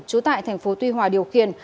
trú tại tp tuy hòa điều khiển